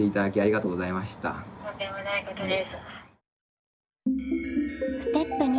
とんでもないことです。